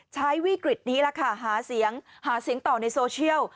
ใช้วิกฤตนี้แล้วค่ะหาเสียงต่อในโซเชียล